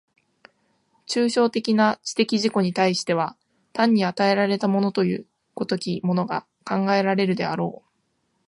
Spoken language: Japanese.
抽象的な知的自己に対しては単に与えられたものという如きものが考えられるであろう。